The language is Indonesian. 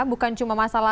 bukan cuma masalah